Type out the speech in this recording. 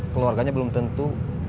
keluarganya belum tentu